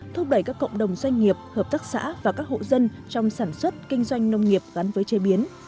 thúc đẩy các cộng đồng doanh nghiệp hợp tác xã và các hộ dân trong sản xuất kinh doanh nông nghiệp gắn với chế biến